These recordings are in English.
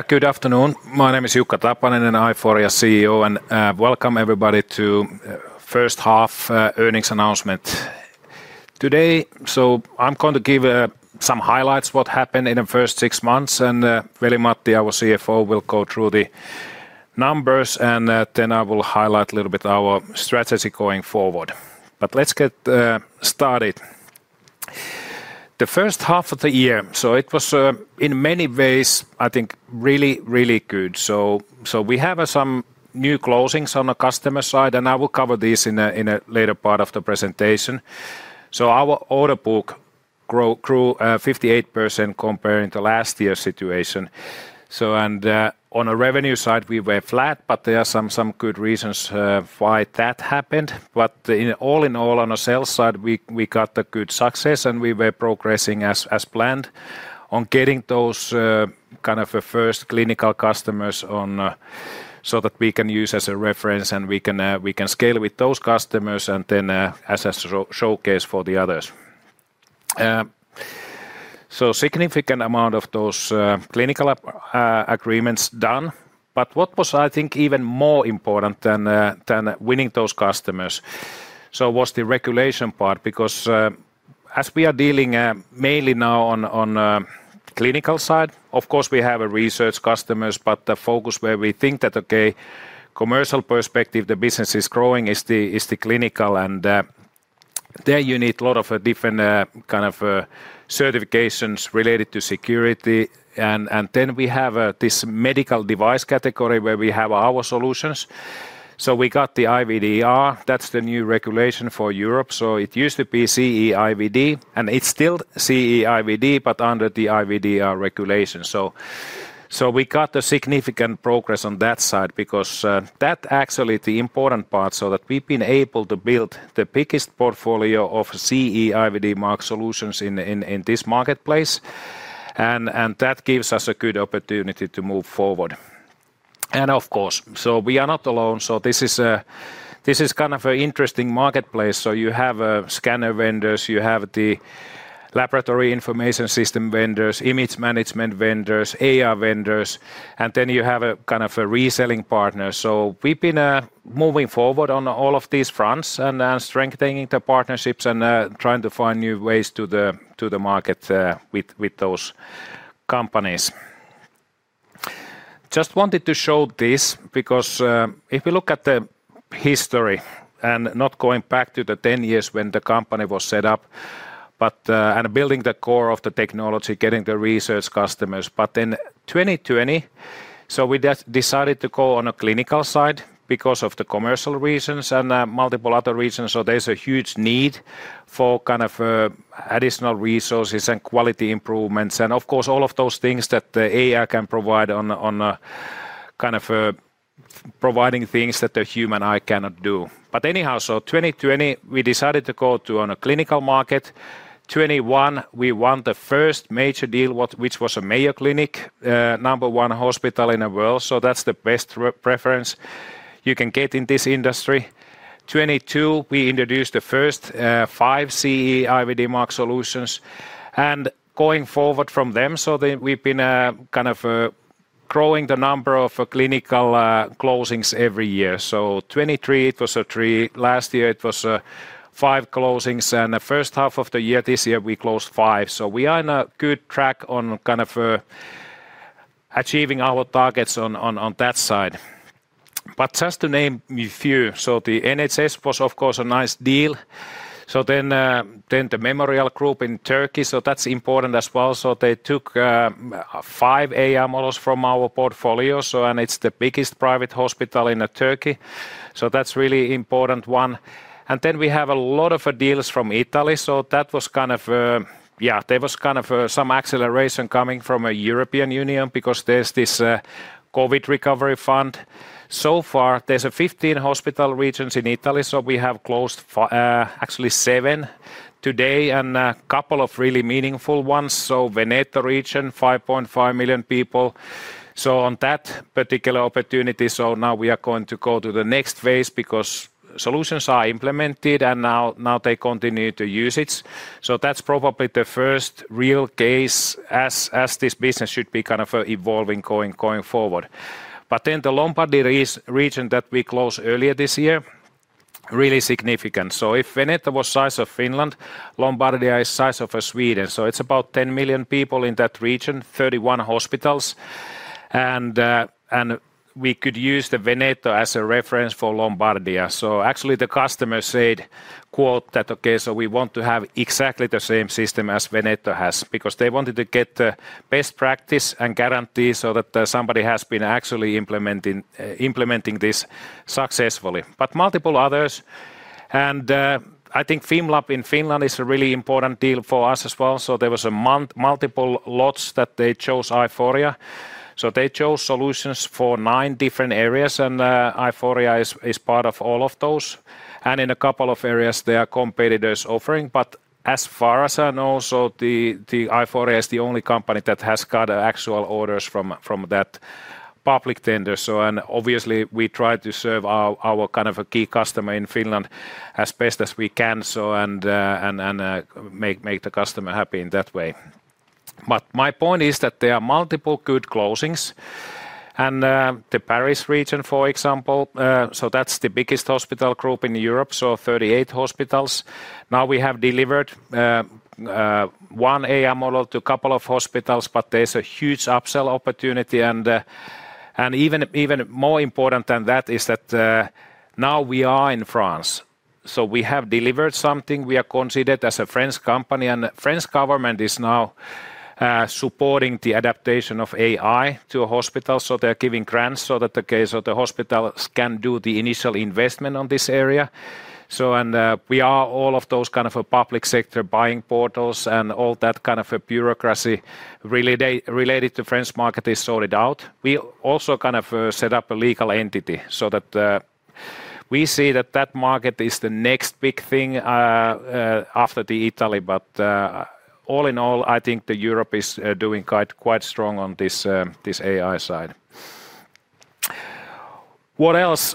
Good afternoon. My name is Jukka Tapaninen, Aiforia CEO. Welcome everybody to the first half earnings announcement today. I'm going to give some highlights of what happened in the first six months. Veli-Matti, our CFO, will go through the numbers. I will highlight a little bit our strategy going forward. Let's get started. The first half of the year, it was in many ways, I think, really, really good. We have some new closings on the customer side, and I will cover this in a later part of the presentation. Our order book grew 58% compared to last year's situation. On the revenue side, we were flat, but there are some good reasons why that happened. All in all, on the sales side, we got a good success, and we were progressing as planned on getting those kind of first clinical customers so that we can use as a reference, and we can scale with those customers and then as a showcase for the others. A significant amount of those clinical agreements done. What was, I think, even more important than winning those customers was the regulation part. As we are dealing mainly now on the clinical side, of course, we have research customers, but the focus where we think that, okay, commercial perspective, the business is growing, is the clinical. There you need a lot of different kind of certifications related to security. We have this medical device category where we have our solutions. We got the IVDR. That's the new regulation for Europe. It used to be CE-IVD, and it's still CE-IVD, but under the IVDR regulation. We got significant progress on that side because that's actually the important part so that we've been able to build the biggest portfolio of CE-IVD-marked solutions in this marketplace. That gives us a good opportunity to move forward. Of course, we are not alone. This is kind of an interesting marketplace. You have scanner vendors, you have the laboratory information system vendors, image management vendors, AR vendors, and then you have kind of a reselling partner. We've been moving forward on all of these fronts and strengthening the partnerships and trying to find new ways to the market with those companies. I just wanted to show this because if we look at the history and not going back to the 10 years when the company was set up, but building the core of the technology, getting the research customers. In 2020, we decided to go on the clinical side because of commercial reasons and multiple other reasons. There is a huge need for additional resources and quality improvements. Of course, all of those things that the AI can provide, providing things that the human eye cannot do. In 2020, we decided to go to the clinical market. In 2021, we won the first major deal, which was Mayo Clinic, number one hospital in the world. That is the best reference you can get in this industry. In 2022, we introduced the first five CE-IVD-marked solutions. Going forward from then, we have been growing the number of clinical closings every year. In 2023, it was three. Last year, it was five closings. In the first half of this year, we closed five. We are on a good track to achieving our targets on that side. Just to name a few, the NHS was a nice deal. The Memorial Hospitals Group in Turkey is important as well. They took five AI models from our portfolio, and it is the biggest private hospital in Turkey. That is a really important one. We have a lot of deals from Italy. There was some acceleration coming from the European Union because there is this COVID recovery fund. So far, there are 15 hospital regions in Italy. We have closed actually seven today and a couple of really meaningful ones. Veneto region, 5.5 million people. On that particular opportunity, we are going to go to the next phase because solutions are implemented, and now they continue to use it. That is probably the first real case as this business should be evolving going forward. The Lombardy region that we closed earlier this year is really significant. If Veneto was the size of Finland, Lombardy is the size of Sweden. It is about 10 million people in that region, 31 hospitals. We could use Veneto as a reference for Lombardy. The customer said, "Okay, we want to have exactly the same system as Veneto has," because they wanted to get the best practice and guarantee that somebody has been actually implementing this successfully. Multiple others. I think Fimlab in Finland is a really important deal for us as well. There were multiple lots that they chose Aiforia. They chose solutions for nine different areas, and Aiforia is part of all of those. In a couple of areas, there are competitors offering. As far as I know, Aiforia is the only company that has got actual orders from that public tender. We try to serve our kind of key customer in Finland as best as we can and make the customer happy in that way. My point is that there are multiple good closings. The Paris region, for example, is the biggest hospital group in Europe, 38 hospitals. We have delivered one AI model to a couple of hospitals, but there's a huge upsell opportunity. Even more important than that is that now we are in France. We have delivered something. We are considered as a French company, and the French government is now supporting the adaptation of AI to hospitals. They're giving grants so that the hospitals can do the initial investment on this area. All of those kind of public sector buying portals and all that kind of bureaucracy related to the French market is sorted out. We also set up a legal entity so that we see that market is the next big thing after Italy. All in all, I think Europe is doing quite strong on this AI side. What else?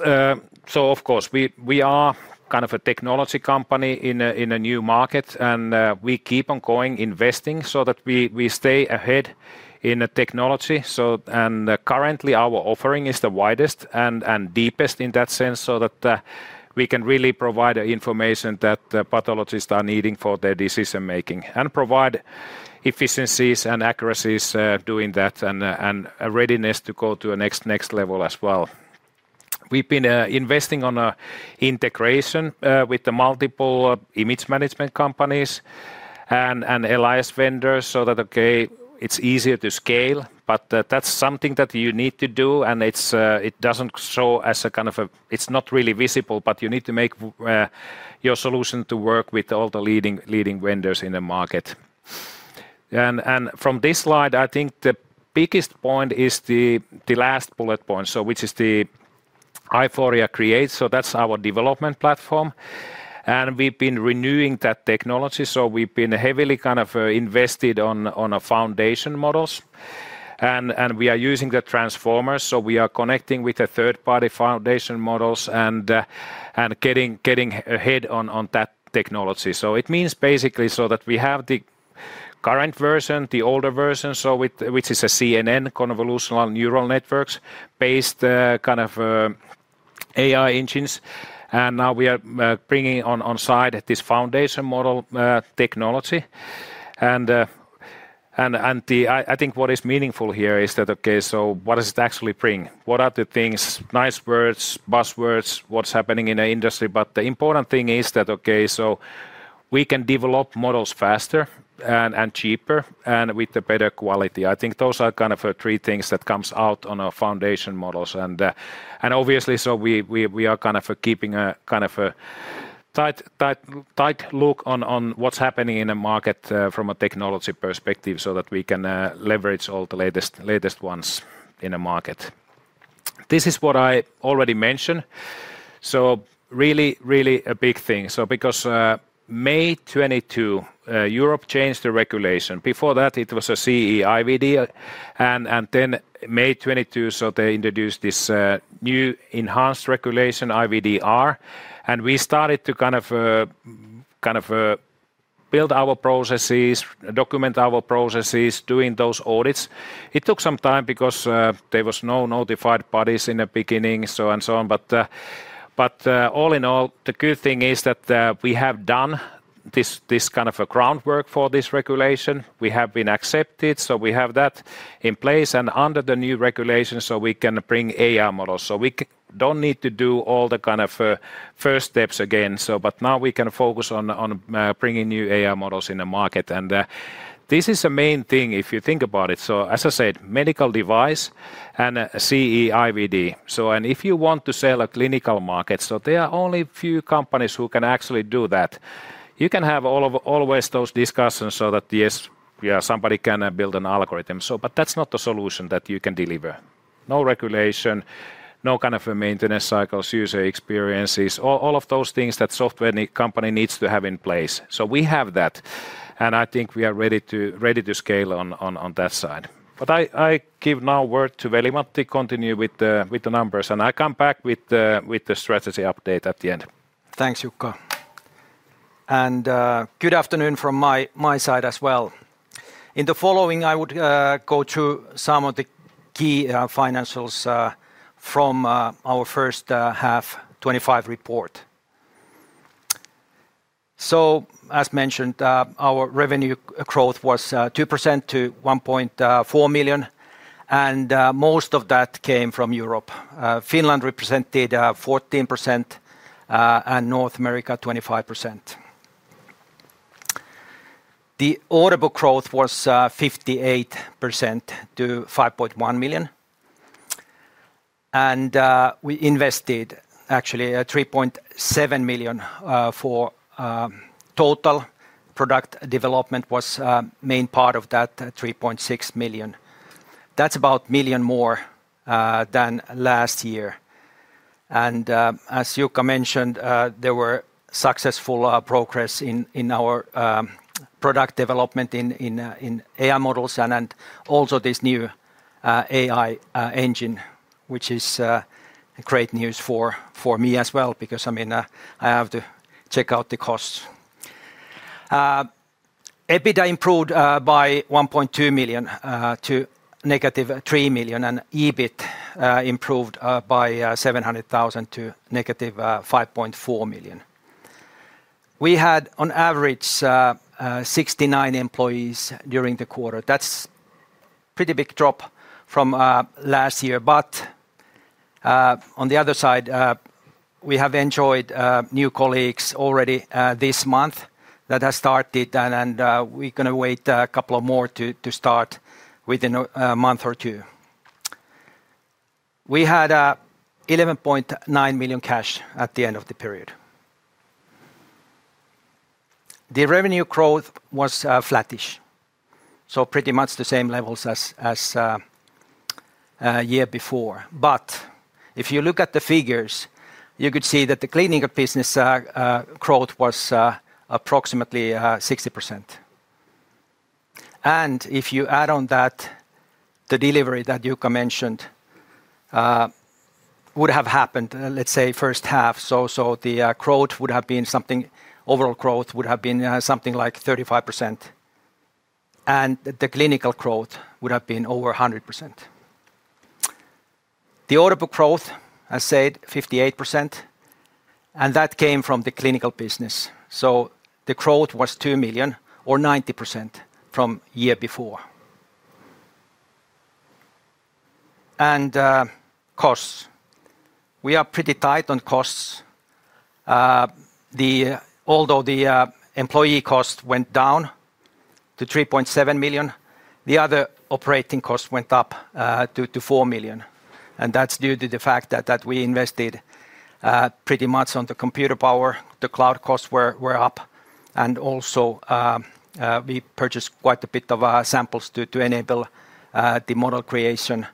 We are a technology company in a new market, and we keep on going, investing so that we stay ahead in the technology. Currently, our offering is the widest and deepest in that sense so that we can really provide the information that pathologists are needing for their decision-making and provide efficiencies and accuracies doing that and readiness to go to the next level as well. We've been investing on integration with the multiple image management companies and LIS vendors so that it's easier to scale. That's something that you need to do, and it doesn't show as a kind of it's not really visible, but you need to make your solution to work with all the leading vendors in the market. From this slide, I think the biggest point is the last bullet point, which is the Aiforia Create. That's our development platform. We've been renewing that technology. We've been heavily invested on foundation models. We are using the transformers. We are connecting with the third-party foundation models and getting ahead on that technology. It means basically that we have the current version, the older version, which is a CNN, convolutional neural networks-based kind of AI engines. Now we are bringing on side this foundation model technology. I think what is meaningful here is that, okay, so what does it actually bring? What are the things, nice words, buzzwords, what's happening in the industry? The important thing is that, okay so we can develop models faster and cheaper and with better quality. I think those are kind of three things that come out on our foundation models. Obviously, we are kind of keeping a kind of a tight look on what's happening in the market from a technology perspective so that we can leverage all the latest ones in the market. This is what I already mentioned. Really, really a big thing. May 2022, Europe changed the regulation. Before that, it was a CE-IVD. Then May 2022, they introduced this new enhanced regulation, IVDR. We started to kind of build our processes, document our processes, doing those audits. It took some time because there were no notified bodies in the beginning, so on and so on. All in all, the good thing is that we have done this kind of groundwork for this regulation. We have been accepted. We have that in place. Under the new regulation, we can bring AI models. We don't need to do all the kind of first steps again. Now we can focus on bringing new AI models in the market. This is the main thing if you think about it. As I said, medical device and CE-IVD. If you want to sell a clinical market, there are only a few companies who can actually do that. You can have always those discussions so that, yes, somebody can build an algorithm. That's not the solution that you can deliver. No regulation, no kind of maintenance cycles, user experiences, all of those things that a software company needs to have in place. We have that. I think we are ready to scale on that side. I give now word to Veli-Matti to continue with the numbers. I'll come back with the strategy update at the end. Thanks, Jukka. Good afternoon from my side as well. In the following, I would go through some of the key financials from our first half 2025 report. As mentioned, our revenue growth was 2% to €1.4 million, and most of that came from Europe. Finland represented 14% and North America 25%. The order book growth was 58% to €5.1 million. We invested actually €3.7 million, with total product development as the main part of that, €3.6 million. That's about €1 million more than last year. As Jukka mentioned, there was successful progress in our product development in AI models and also this new AI engine, which is great news for me as well because I have to check out the costs. EBITDA improved by €1.2 million to -€3 million, and EBIT improved by €700,000 to -€5.4 million. We had, on average, 69 employees during the quarter. That's a pretty big drop from last year. On the other side, we have enjoyed new colleagues already this month that have started. We're going to wait a couple more to start within a month or two. We had €11.9 million cash at the end of the period. The revenue growth was flattish, so pretty much the same levels as the year before. If you look at the figures, you could see that the clinical business growth was approximately 60%. If you add on that the delivery that Jukka mentioned would have happened, let's say, first half, the overall growth would have been something like 35%, and the clinical growth would have been over 100%. The order book growth, as I said, was 58%, and that came from the clinical business. The growth was €2 million or 90% from the year before. Costs, we are pretty tight on costs. Although the employee cost went down to €3.7 million, the other operating costs went up to €4 million. That's due to the fact that we invested pretty much on the computer power. The cloud costs were up, and we purchased quite a bit of samples to enable the model creation,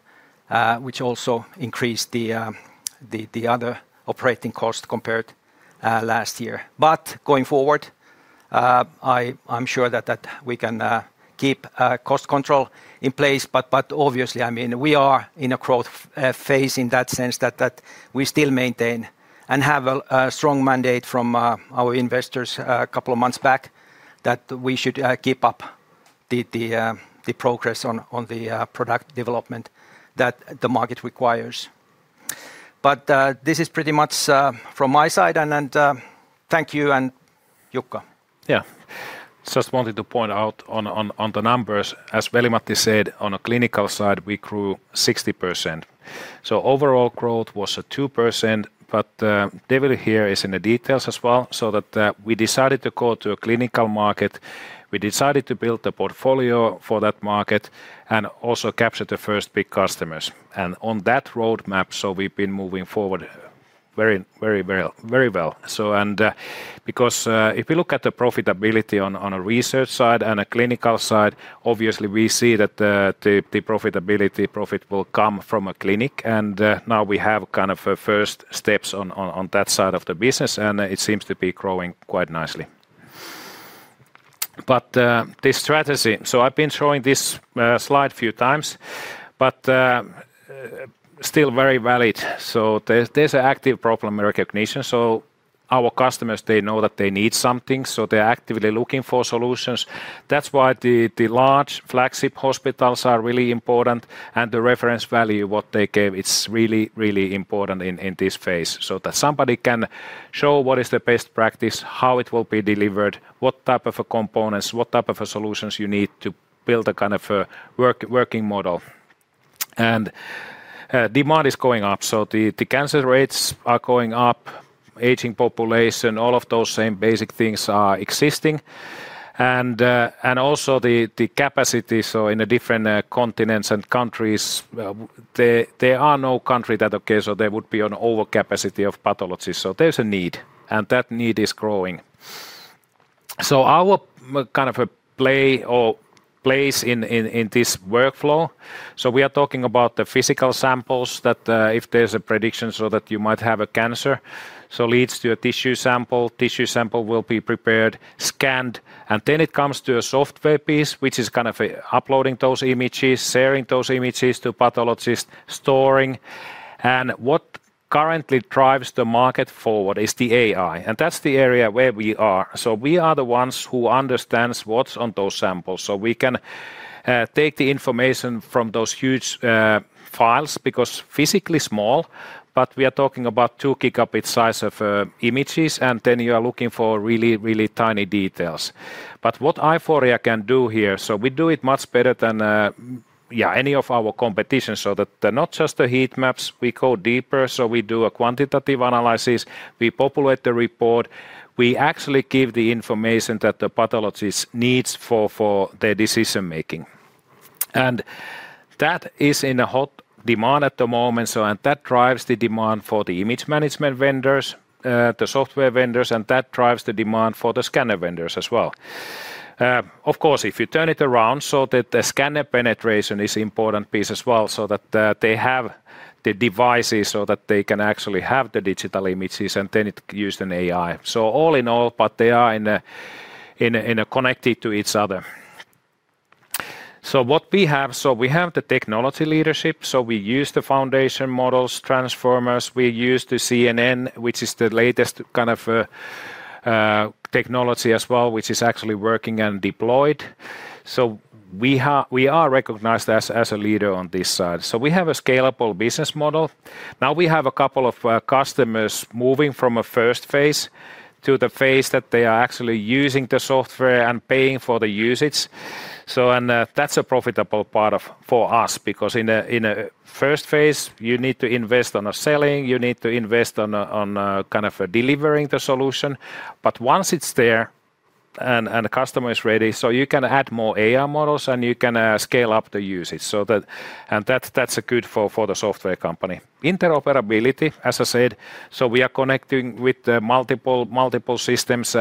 which also increased the other operating costs compared to last year. Going forward, I'm sure that we can keep cost control in place. Obviously, we are in a growth phase in that sense that we still maintain and have a strong mandate from our investors a couple of months back that we should keep up the progress on the product development that the market requires. This is pretty much from my side. Thank you, and Jukka. Yeah. Just wanted to point out on the numbers. As Veli-Matti said, on the clinical side, we grew 60%. Overall growth was 2%. The debit here is in the details as well. We decided to go to a clinical market. We decided to build the portfolio for that market and also capture the first big customers. On that roadmap, we've been moving forward very, very, very well. If we look at the profitability on the research side and the clinical side, obviously, we see that the profitability, profit will come from a clinic. Now we have kind of first steps on that side of the business. It seems to be growing quite nicely. This strategy, I've been showing this slide a few times, but still very valid. There's an active problem recognition. Our customers, they know that they need something. They're actively looking for solutions. That's why the large flagship hospitals are really important. The reference value what they gave, it's really, really important in this phase so that somebody can show what is the best practice, how it will be delivered, what type of components, what type of solutions you need to build a kind of working model. Demand is going up. The cancer rates are going up, aging population, all of those same basic things are existing. Also the capacity, in the different continents and countries, there are no countries that, okay so there would be an overcapacity of pathology. There's a need. That need is growing. Our kind of play or place in this workflow, we are talking about the physical samples that if there's a prediction so that you might have a cancer, so leads to a tissue sample. Tissue sample will be prepared, scanned. Then it comes to a software piece, which is kind of uploading those images, sharing those images to pathologists, storing. What currently drives the market forward is the AI. That's the area where we are. We are the ones who understand what's on those samples. We can take the information from those huge files because physically small, but we are talking about 2 GB size of images. Then you are looking for really, really tiny details. What Aiforia can do here, we do it much better than, yeah, any of our competitions. They're not just the heat maps. We go deeper. We do a quantitative analysis. We populate the report. We actually give the information that the pathologist needs for their decision-making. That is in hot demand at the moment. That drives the demand for the image management vendors, the software vendors. That drives the demand for the scanner vendors as well. If you turn it around, the scanner penetration is an important piece as well so that they have the devices so that they can actually have the digital images. It uses an AI. All in all, they are connected to each other. What we have, we have the technology leadership. We use the foundation models, transformers. We use the CNN, which is the latest kind of technology as well, which is actually working and deployed. We are recognized as a leader on this side. We have a scalable business model. Now we have a couple of customers moving from a first phase to the phase that they are actually using the software and paying for the usage. That is a profitable part for us because in the first phase, you need to invest on the selling. You need to invest on kind of delivering the solution. Once it's there and the customer is ready, you can add more AI models, and you can scale up the usage. That is good for the software company. Interoperability, as I said, we are connecting with multiple systems.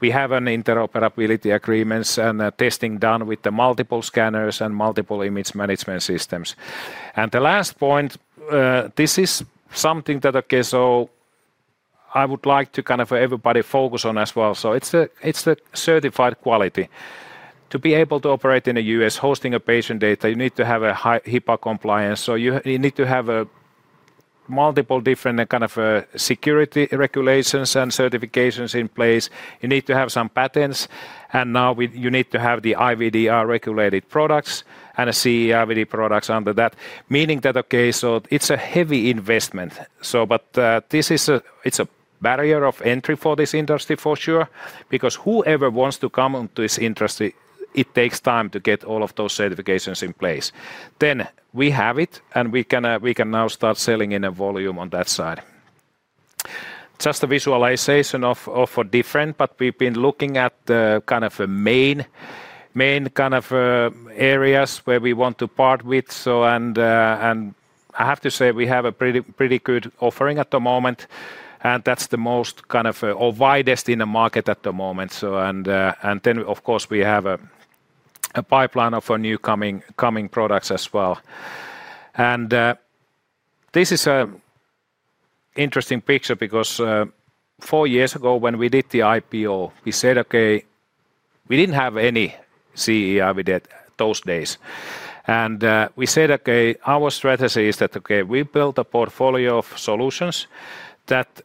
We have interoperability agreements and testing done with the multiple scanners and multiple image management systems. The last point, this is something that I would like to kind of everybody focus on as well. It is a certified quality. To be able to operate in the U.S., hosting patient data, you need to have a HIPAA compliance. You need to have multiple different kind of security regulations and certifications in place. You need to have some patents. Now you need to have the IVDR-regulated products and the CE-IVD products under that, meaning that it is a heavy investment. It is a barrier of entry for this industry for sure because whoever wants to come into this industry, it takes time to get all of those certifications in place. We have it, and we can now start selling in a volume on that side. Just a visualization of different. We have been looking at kind of main kind of areas where we want to part with. I have to say, we have a pretty good offering at the moment. That is the most kind of or widest in the market at the moment. Of course, we have a pipeline of new coming products as well. This is an interesting picture because four years ago, when we did the IPO, we said, okay, we didn't have any CE-IVD those days. We said, okay, our strategy is that, okay we build a portfolio of solutions that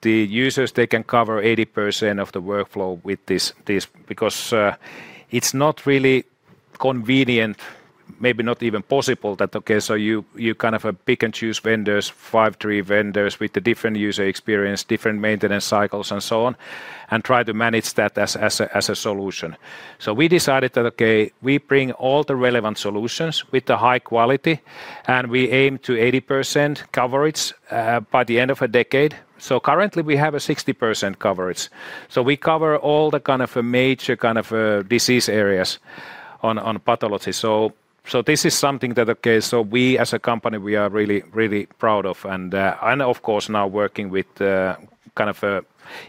the users, they can cover 80% of the workflow with this because it's not really convenient, maybe not even possible that, okay you kind of pick and choose vendors, five to three vendors with a different user experience, different maintenance cycles, and so on, and try to manage that as a solution. We decided that, okay, we bring all the relevant solutions with the high quality. We aim to 80% coverage by the end of a decade. Currently, we have a 60% coverage. We cover all the kind of major kind of disease areas on pathology. This is something that, okay we as a company, we are really, really proud of. Of course, now working with kind of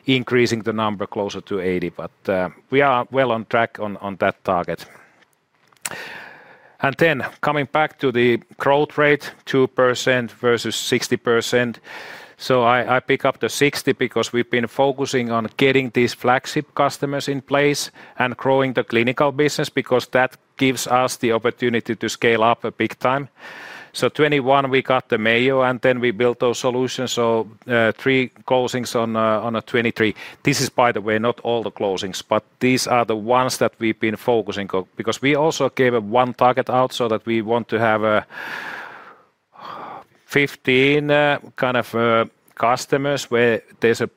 increasing the number closer to 80. We are well on track on that target. Coming back to the growth rate, 2% versus 60%. I pick up the 60% because we've been focusing on getting these flagship customers in place and growing the clinical business because that gives us the opportunity to scale up big time. In 2021, we got the Mayo Clinic, and then we built those solutions. Three closings on 2023. This is, by the way, not all the closings. These are the ones that we've been focusing on because we also gave one target out so that we want to have 15 kind of customers where there's a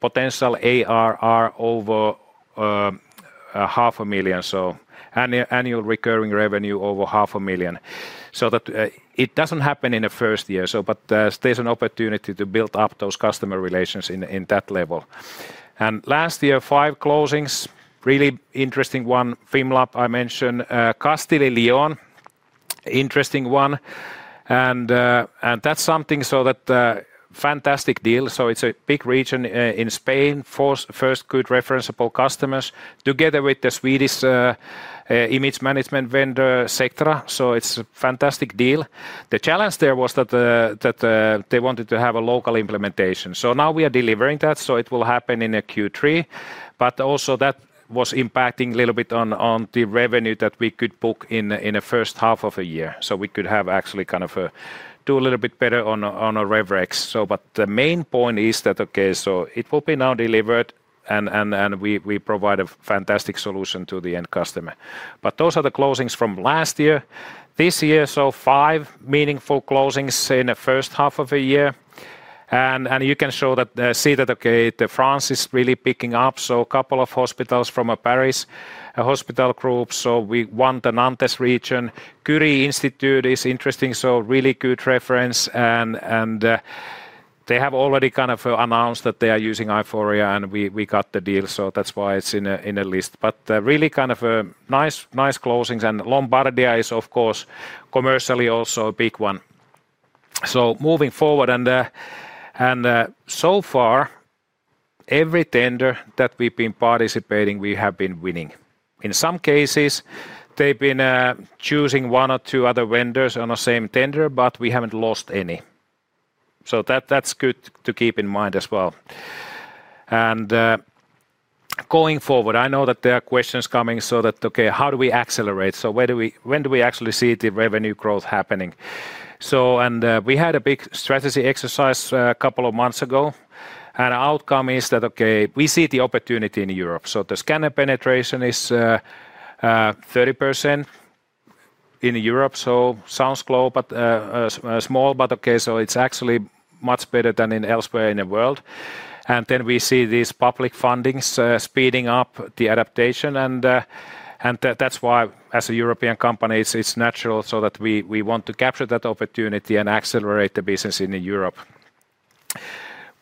potential ARR over $0.5 million. Annual recurring revenue over $0.5 million. It doesn't happen in the first year. There's an opportunity to build up those customer relations in that level. Last year, five closings. Really interesting one, Fimlab I mentioned. Castille and León, interesting one. That's something so that fantastic deal. It's a big region in Spain, first good referenceable customers together with the Swedish image management vendor, Sectra. It's a fantastic deal. The challenge there was that they wanted to have a local implementation. Now we are delivering that. It will happen in Q3. That was impacting a little bit on the revenue that we could book in the first half of a year. We could have actually kind of do a little bit better on a RevRex. The main point is that, okay it will be now delivered. We provide a fantastic solution to the end customer. Those are the closings from last year. This year, five meaningful closings in the first half of a year. You can see that France is really picking up. A couple of hospitals from Paris and we won the Nantes region. Curie Institute is interesting, a really good reference, and they have already announced that they are using Aiforia. We got the deal, so that's why it's in the list. Really kind of nice closings. Lombardia is, of course, commercially also a big one, moving forward. So far, every tender that we've been participating in, we have been winning. In some cases, they've been choosing one or two other vendors on the same tender, but we haven't lost any. That's good to keep in mind as well. Going forward, I know that there are questions coming, like how do we accelerate, when do we actually see the revenue growth happening. We had a big strategy exercise a couple of months ago, and the outcome is that we see the opportunity in Europe. The scanner penetration is 30% in Europe. Sounds low, but it's actually much better than elsewhere in the world. We see these public fundings speeding up the adaptation, and that's why, as a European company, it's natural that we want to capture that opportunity and accelerate the business in Europe.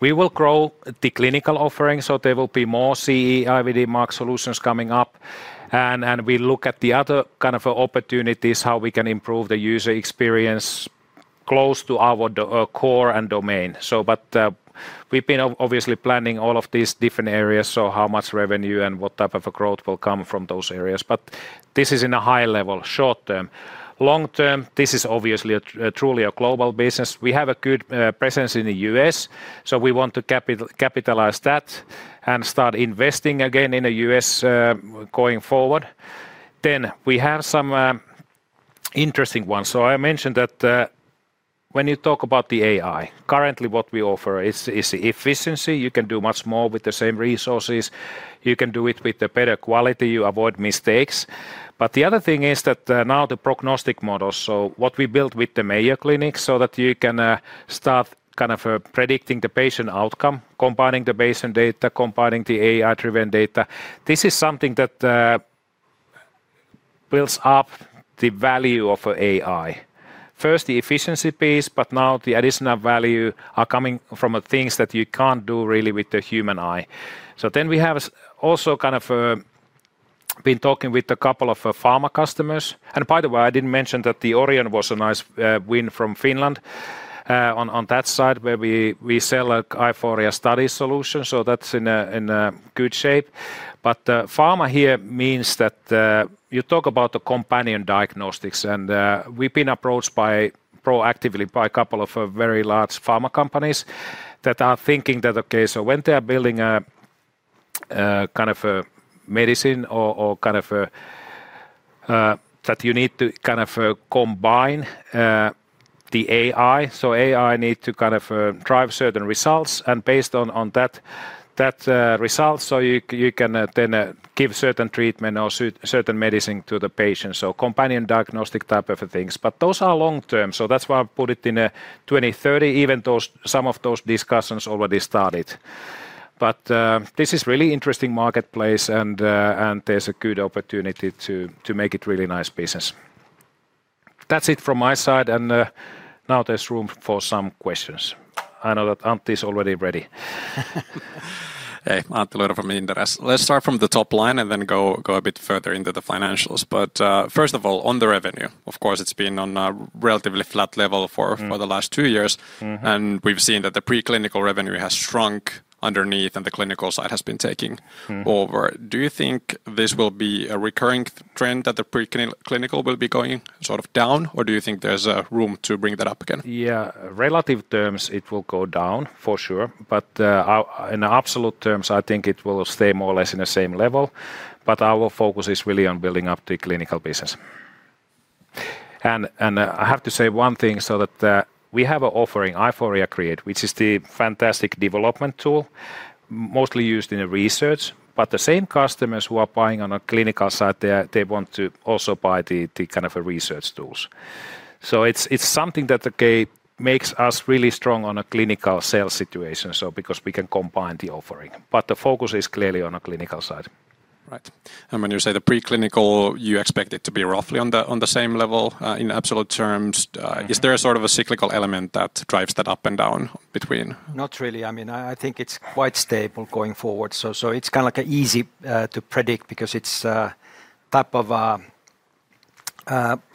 We will grow the clinical offering, so there will be more CE-IVD-marked solutions coming up. We'll look at the other kinds of opportunities, how we can improve the user experience close to our core and domain. We've been obviously planning all of these different areas, how much revenue and what type of growth will come from those areas. This is at a high level, short term. Long term, this is obviously truly a global business. We have a good presence in the U.S., so we want to capitalize on that and start investing again in the U.S. going forward. We have some interesting ones. I mentioned that when you talk about the AI, currently what we offer is efficiency. You can do much more with the same resources, you can do it with better quality, you avoid mistakes. The other thing is that now the prognostic models, what we built with the Mayo Clinic, so that you can start predicting the patient outcome, combining the baseline data, combining the AI-driven data. This is something that builds up the value of AI. First, the efficiency piece, but now the additional value are coming from things that you can't do really with the human eye. We have also kind of been talking with a couple of pharma customers. By the way, I didn't mention that the Orion was a nice win from Finland on that side where we sell Aiforia study solutions. That's in good shape. Pharma here means that you talk about the companion diagnostics. We've been approached proactively by a couple of very large pharma companies that are thinking that, okay, when they are building a kind of medicine or kind of that you need to kind of combine the AI. AI needs to kind of drive certain results, and based on that result, you can then give certain treatment or certain medicine to the patient. Companion diagnostic type of things, but those are long term. That's why I put it in 2030, even though some of those discussions already started. This is a really interesting marketplace, and there's a good opportunity to make it a really nice business. That's it from my side. Now there's room for some questions. I know that Antti is already ready. Hey, Antti Laura from Inderes. Let's start from the top line and then go a bit further into the financials. First of all, on the revenue, of course, it's been on a relatively flat level for the last two years. We've seen that the preclinical revenue has shrunk underneath, and the clinical side has been taking over. Do you think this will be a recurring trend that the preclinical will be going sort of down, or do you think there's room to bring that up again? Yeah, relative terms, it will go down for sure. In absolute terms, I think it will stay more or less in the same level. Our focus is really on building up the clinical business. I have to say one thing so that we have an offering, Aiforia Create, which is the fantastic development tool mostly used in research. The same customers who are buying on the clinical side, they want to also buy the kind of research tools. It's something that makes us really strong on a clinical sales situation because we can combine the offering. The focus is clearly on the clinical side. Right. When you say the preclinical, you expect it to be roughly on the same level in absolute terms. Is there a sort of a cyclical element that drives that up and down between? Not really. I mean, I think it's quite stable going forward. It's kind of easy to predict because it's a type of a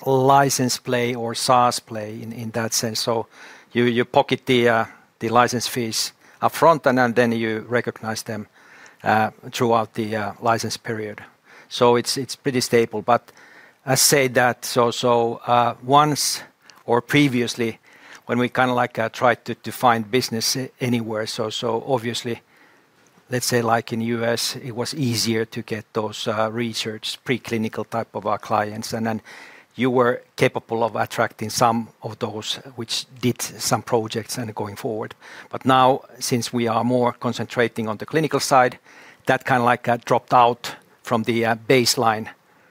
license play or SaaS play in that sense. You pocket the license fees upfront, and then you recognize them throughout the license period. It's pretty stable. Previously, when we tried to find business anywhere, obviously, let's say in the U.S., it was easier to get those research preclinical type of our clients. You were capable of attracting some of those which did some projects going forward. Now, since we are more concentrating on the clinical side, that kind of dropped out from the baseline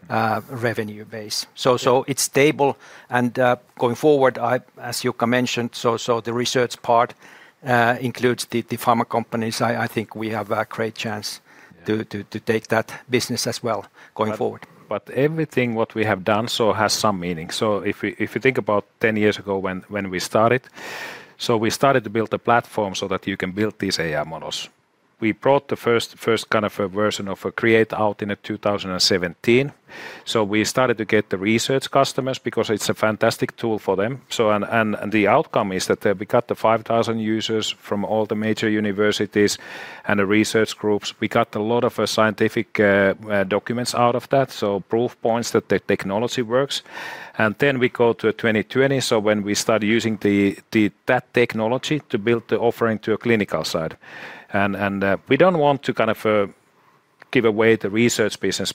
revenue base. It's stable. Going forward, as Jukka mentioned, the research part includes the pharma companies. I think we have a great chance to take that business as well going forward. Everything we have done has some meaning. If you think about 10 years ago when we started, we started to build a platform so that you can build these AI models. We brought the first kind of version of Aiforia Create out in 2017. We started to get the research customers because it's a fantastic tool for them. The outcome is that we got the 5,000 users from all the major universities and the research groups. We got a lot of scientific documents out of that, proof points that the technology works. In 2020, we started using that technology to build the offering to a clinical side. We don't want to give away the research business.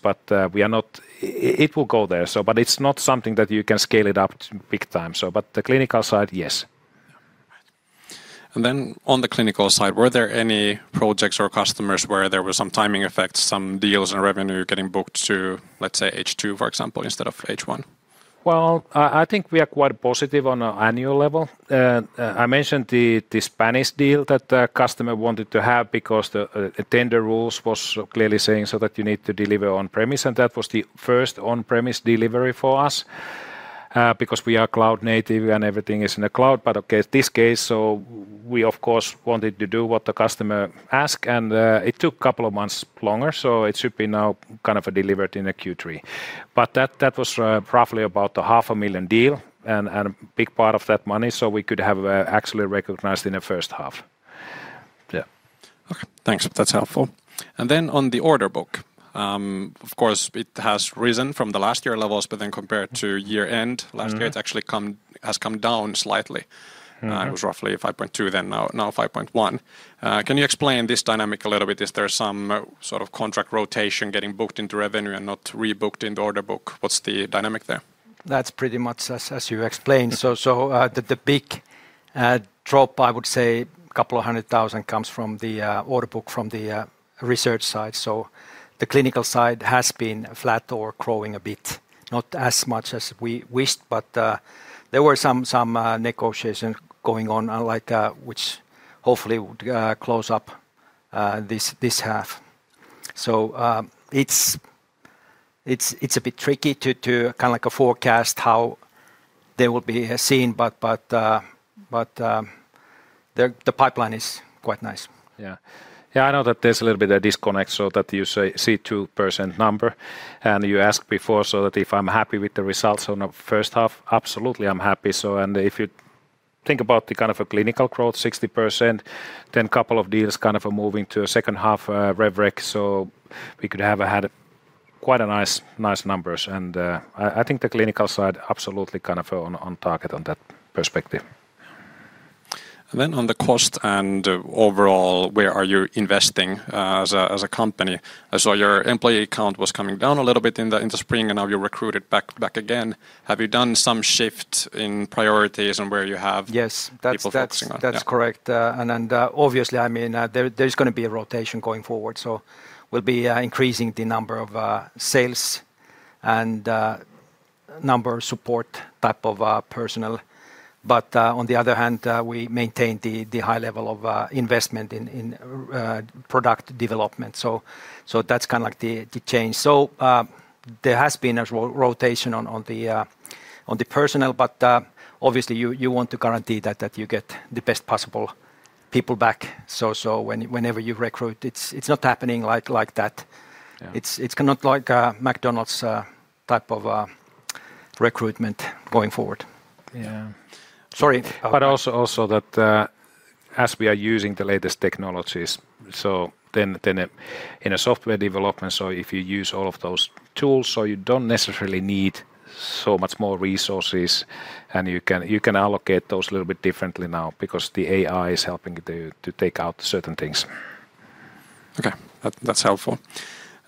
We are not, it will go there. It's not something that you can scale up big time. The clinical side, yes. On the clinical side, were there any projects or customers where there were some timing effects, some deals and revenue getting booked to, let's say, H2, for example, instead of H1? I think we are quite positive on an annual level. I mentioned the Spanish deal that the customer wanted to have because the tender rules were clearly saying that you need to deliver on-premise. That was the first on-premise delivery for us because we are cloud native and everything is in the cloud. In this case, we, of course, wanted to do what the customer asked. It took a couple of months longer. It should be now kind of delivered in Q3. That was roughly about a $0.5 million deal and a big part of that money we could have actually recognized in the first half. Okay, thanks. That's helpful. On the order book, of course, it has risen from the last year levels. Compared to year end last year, it actually has come down slightly. It was roughly €5.2 million then, now €5.1 million. Can you explain this dynamic a little bit? Is there some sort of contract rotation getting booked into revenue and not rebooked into order book? What's the dynamic there? That's pretty much as you explained. The big drop, I would say, a couple of hundred thousand, comes from the order book from the research side. The clinical side has been flat or growing a bit, not as much as we wished. There were some negotiations going on, which hopefully would close up this half. It's a bit tricky to kind of forecast how they will be seen. The pipeline is quite nice. Yeah, I know that there's a little bit of a disconnect so that you see 2% number. You asked before if I'm happy with the results on the first half, absolutely, I'm happy. If you think about the kind of clinical growth, 60%, then a couple of deals kind of moving to a second half RevRex. We could have had quite nice numbers. I think the clinical side is absolutely kind of on target on that perspective. On the cost and overall, where are you investing as a company? I saw your employee count was coming down a little bit in the spring, and now you recruited back again. Have you done some shift in priorities on where you have? Yes, that's correct. Obviously, there's going to be a rotation going forward. We'll be increasing the number of sales and number of support type of personnel. On the other hand, we maintain the high level of investment in product development. That's kind of like the change. There has been a rotation on the personnel. Obviously, you want to guarantee that you get the best possible people back. Whenever you recruit, it's not happening like that. It's kind of like a McDonald's type of recruitment going forward. Yeah. Sorry. As we are using the latest technologies in software development, if you use all of those tools, you don't necessarily need so much more resources. You can allocate those a little bit differently now because the AI is helping to take out certain things. That's helpful.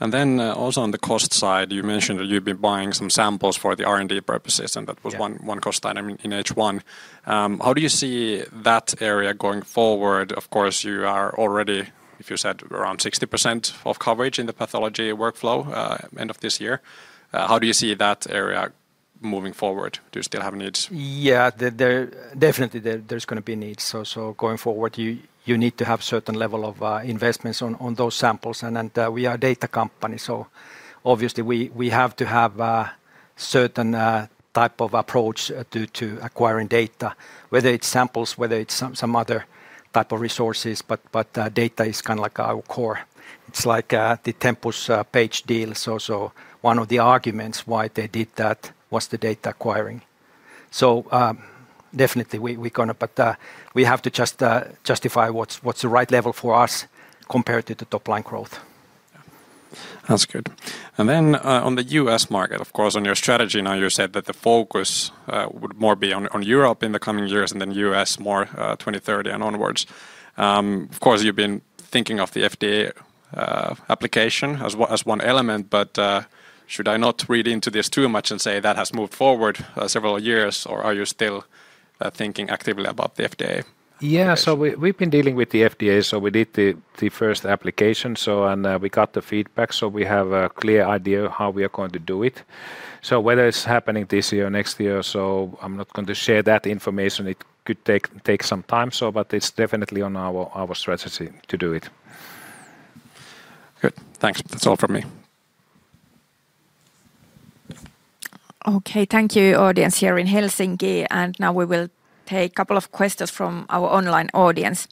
Also, on the cost side, you mentioned that you've been buying some samples for the R&D purposes, and that was one cost item in H1. How do you see that area going forward? Of course, you are already, if you said, around 60% of coverage in the pathology workflow end of this year. How do you see that area moving forward? Do you still have needs? Yeah, definitely, there's going to be needs. Going forward, you need to have a certain level of investments on those samples. We are a data company, so obviously, we have to have a certain type of approach to acquiring data, whether it's samples or whether it's some other type of resources. Data is kind of like our core. It's like the Tempus Paige deals. One of the arguments why they did that was the data acquiring. Definitely, we're going to, we have to just justify what's the right level for us compared to the top line growth. That's good. On the U.S. market, of course, on your strategy, you said that the focus would more be on Europe in the coming years and then U.S. more 2030 and onwards. You've been thinking of the FDA application as one element. Should I not read into this too much and say that has moved forward several years? Are you still thinking actively about the FDA? Yeah, we've been dealing with the FDA. We did the first application, and we got the feedback. We have a clear idea of how we are going to do it. Whether it's happening this year or next year, I'm not going to share that information. It could take some time, but it's definitely on our strategy to do it. Good. Thanks. That's all from me. OK, thank you, audience here in Helsinki. Now we will take a couple of questions from our online audience.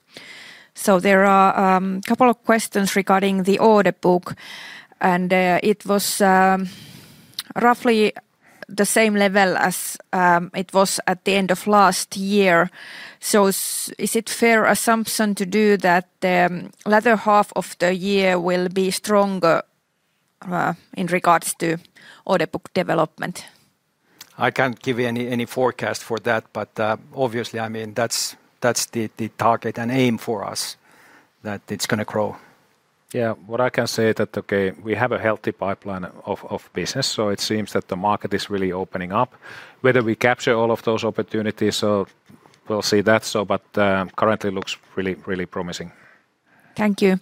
There are a couple of questions regarding the order book. It was roughly the same level as it was at the end of last year. Is it a fair assumption that the latter half of the year will be stronger in regards to order book development? I can't give you any forecast for that. Obviously, that's the target and aim for us, that it's going to grow. What I can say is that, okay, we have a healthy pipeline of business. It seems that the market is really opening up. Whether we capture all of those opportunities, we'll see that. Currently, it looks really, really promising. Thank you.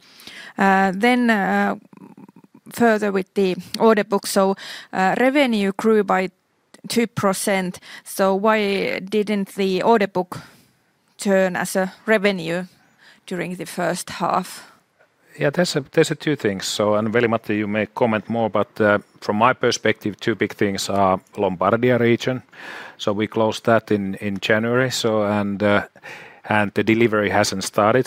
Further with the order book, revenue grew by 2%. Why didn't the order book turn as a revenue during the first half? Yeah, there's a few things. Veli-Matti, you may comment more. From my perspective, two big things are Lombardia region. We closed that in January, and the delivery hasn't started.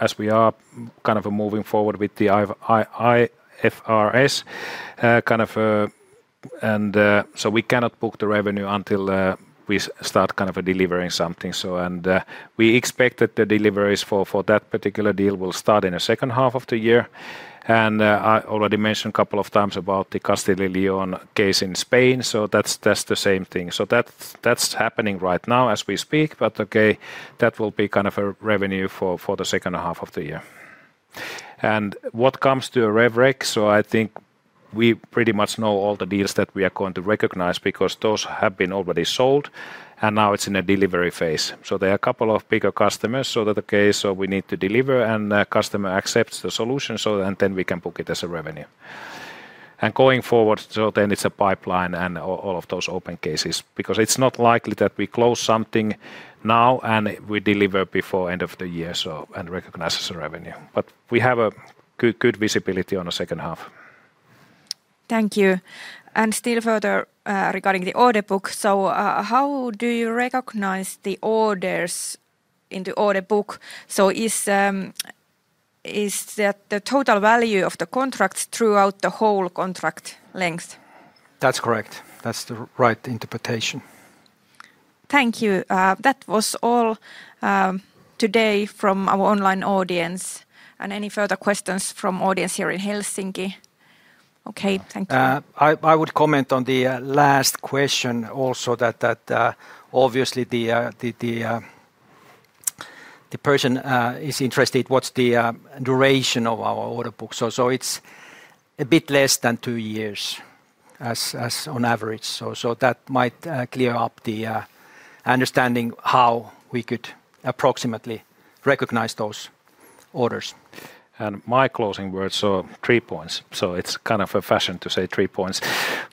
As we are kind of moving forward with the IFRS, we cannot book the revenue until we start delivering something. We expect that the deliveries for that particular deal will start in the second half of the year. I already mentioned a couple of times about the Castille and León case in Spain. That's the same thing. That's happening right now as we speak. That will be a revenue for the second half of the year. What comes to RevRex, I think we pretty much know all the deals that we are going to recognize because those have been already sold. Now it's in a delivery phase. There are a couple of bigger customers. We need to deliver, and the customer accepts the solution, and then we can book it as a revenue. Going forward, it's a pipeline and all of those open cases because it's not likely that we close something now and we deliver before the end of the year and recognize as a revenue. We have a good visibility on the second half. Thank you. Further regarding the order book, how do you recognize the orders in the order book? Is that the total value of the contracts throughout the whole contract length? That's correct. That's the right interpretation. Thank you. That was all today from our online audience. Any further questions from the audience here in Helsinki? Okay, thank you. I would comment on the last question also that obviously, the person is interested in what's the duration of our order book. It's a bit less than two years on average. That might clear up the understanding how we could approximately recognize those orders. My closing words, three points. It's kind of a fashion to say three points.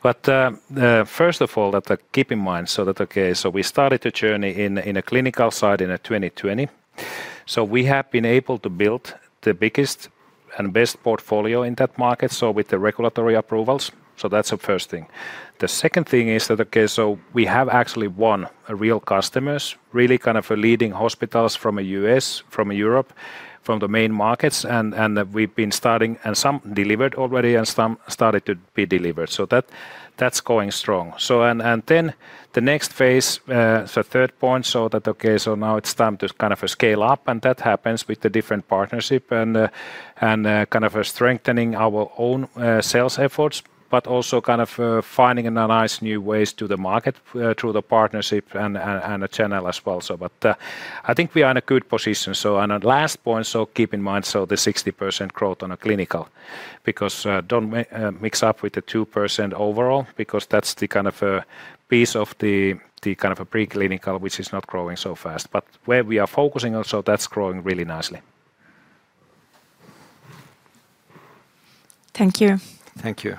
First of all, keep in mind that we started a journey in the clinical side in 2020. We have been able to build the biggest and best portfolio in that market with the regulatory approvals. That's the first thing. The second thing is that we have actually won real customers, really kind of leading hospitals from the U.S., from Europe, from the main markets. We've been starting, and some delivered already, and some started to be delivered. That's going strong. The next phase, third point, now it's time to kind of scale up. That happens with the different partnership and kind of strengthening our own sales efforts, but also kind of finding nice new ways to the market through the partnership and the channel as well. I think we are in a good position. The last point, keep in mind the 60% growth on the clinical because don't mix up with the 2% overall because that's the kind of a piece of the kind of preclinical, which is not growing so fast. Where we are focusing also, that's growing really nicely. Thank you. Thank you.